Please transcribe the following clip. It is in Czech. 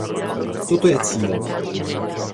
Toto je cíl.